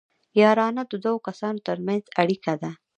یارانه د دوو کسانو ترمنځ اړیکه ده